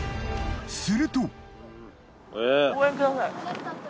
すると。